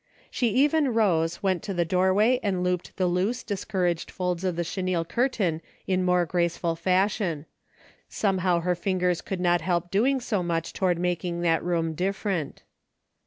She even rose, went to the doorway and looped the loose, discouraged folds of the chenille curtain in more graceful fashion. Somehow her fingers could not help doing so much toward making that room dif ferent.